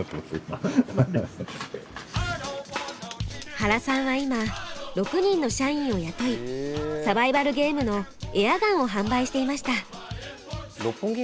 原さんは今６人の社員を雇いサバイバルゲームのエアガンを販売していました。